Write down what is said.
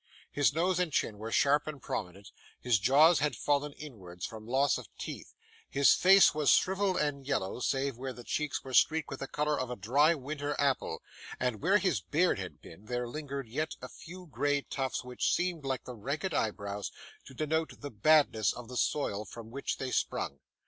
His nose and chin were sharp and prominent, his jaws had fallen inwards from loss of teeth, his face was shrivelled and yellow, save where the cheeks were streaked with the colour of a dry winter apple; and where his beard had been, there lingered yet a few grey tufts which seemed, like the ragged eyebrows, to denote the badness of the soil from which they sprung.